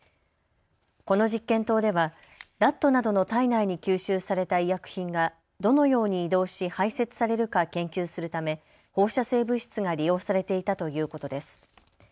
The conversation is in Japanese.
この実験棟ではラットなどの体内に吸収された医薬品がどのように移動し排せつされるか研究するため放射性物質が利用されていたということです。